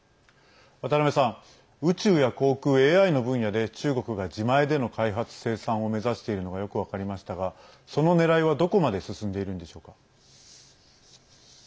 渡辺さん、宇宙や航空ＡＩの分野で中国が自前での開発、生産を目指しているのがよく分かりましたがその狙いはどこまで進んでいるんでしょうか。